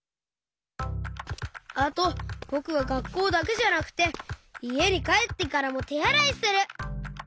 あとぼくはがっこうだけじゃなくていえにかえってからもてあらいする！